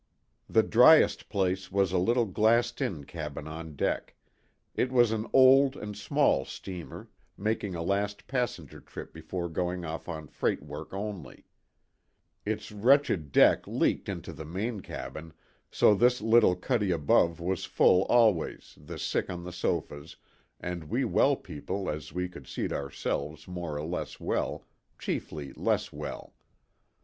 The driest place was a little glassed in cabin on deck it was an old and small steamer making a last passenger trip before going off on freight work only ; its wretched deck leaked 119 I2O THE TWO WILLS. into the main cabin so this little cuddy above was full always, the sick on the sofas and we well people as we could seat ourselves, more or less well chiefly less well.